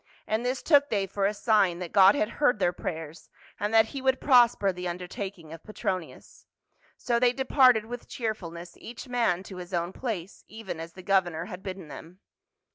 And this took they for a sign that God had heard their prayers, and that he would prosper the undertaking of Petronius. So they departed with cheerfulness each man to his own place, even as the governor had bidden them.